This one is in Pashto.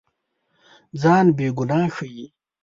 ځان بېګناه ښيي.